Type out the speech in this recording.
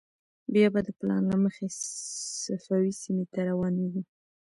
بیا به د پلان له مخې صفوي سیمې ته روانېږو.